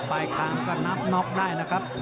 ไปค้ำก็นับน็อคได้นะครับ